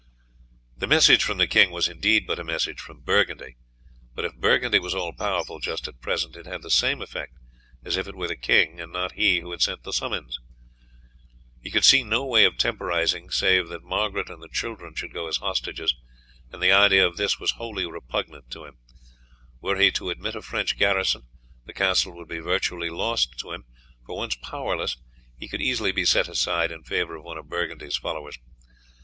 The message from the king was indeed but a message from Burgundy, but if Burgundy was all powerful just at present it had the same effect as if it were the king and not he who had sent the summons. He could see no way of temporizing save that Margaret and the children should go as hostages, and the idea of this was wholly repugnant to him. Were he to admit a French garrison the castle would be virtually lost to him; for once powerless, he could easily be set aside in favour of one of Burgundy's followers.